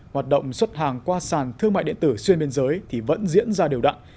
hoạt động xuất hàng qua sàn thương mại điện tử xuyên biên giới thì vẫn diễn ra đều đặn